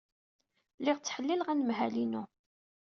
Lliɣ ttḥellileɣ anemhal-inu.